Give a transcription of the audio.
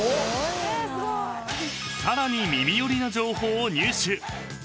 ［さらに耳寄りな情報を入手］